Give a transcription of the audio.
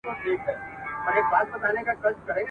ملنګه ! دا ګټان زلفې، درانۀ باڼۀ اؤ ډک زړۀ؟ ..